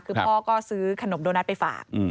คือพ่อก็ซื้อขนมโดนัทไปฝาก